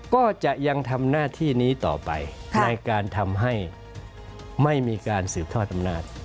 ก็จะยังทำหน้าที่นี้ต่อไปในการทำให้ไม่มีการสืบทอดอำนาจ